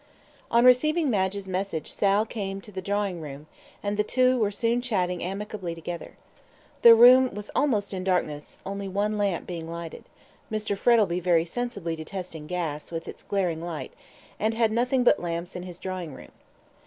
On receiving Madge's message Sal came to the drawing room, and the two were soon chatting amicably together. The room was almost in darkness, only one lamp being lighted, Mr. Frettlby very sensibly detested gas, with its glaring light, and had nothing but lamps in his drawing room.